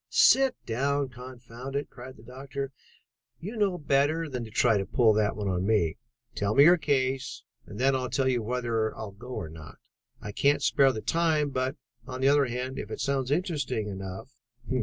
"Sit down, confound you!" cried the doctor. "You know better than to try to pull that on me. Tell me your case, and then I'll tell you whether I'll go or not. I can't spare the time, but, on the other hand, if it sounds interesting enough...."